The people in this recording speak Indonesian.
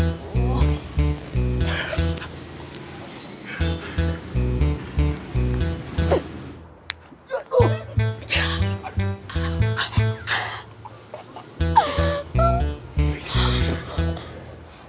batu batu batu